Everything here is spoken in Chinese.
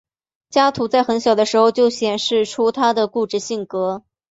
加图在很小的时候就显示出他的固执性格。